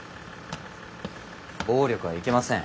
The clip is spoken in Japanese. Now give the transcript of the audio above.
暴力はいけません。